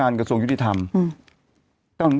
มันติดคุกออกไปออกมาได้สองเดือน